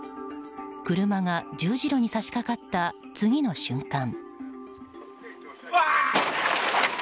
車が十字路に差し掛かった次の瞬間。